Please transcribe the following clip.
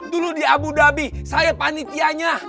dulu di abu dhabi saya panitianya